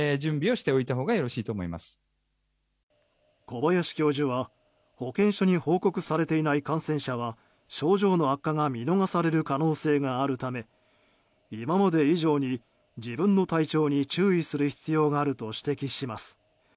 小林教授は、保健所に報告されていない感染者は症状の悪化が見逃される可能性があるため今まで以上に自分の体調に注意する必要があると指摘します。